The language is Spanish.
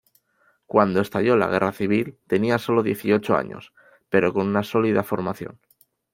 Cuando estalló la Guerra Civil tenía solo dieciocho años, pero con una sólida formación.